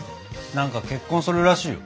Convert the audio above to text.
何か結婚するらしいよ。